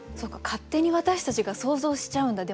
勝手に私たちが想像しちゃうんだ。